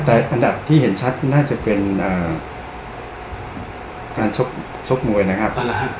แต่อันดับที่เห็นชัดน่าจะเป็นอ่าการชบชบมวยนะครับอ่าล่ะครับ